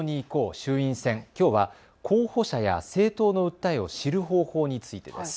衆院選、きょうは候補者や政党の訴えを知る方法についてです。